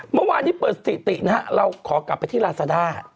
เมื่อวานนี้เปิดสถิตินะฮะเราขอกลับไปที่ลาซาด้า